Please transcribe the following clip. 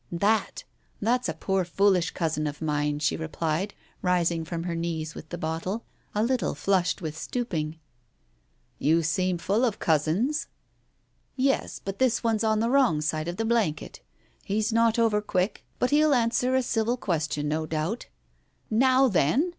"That! That's a poor foolish cousin of mine," she replied, rising from her knees with the bottle, a little flushed with stooping. ... "You seem full of cousins " "Yes, but this one's on the wrong side of the blanket. He's not over quick, but he'll answer a civil question, no doubt. Now then